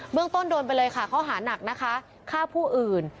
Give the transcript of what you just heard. เมืองต้นโดนไปเลยค่ะข้อหานักนะคะฆ่าผู้อื่น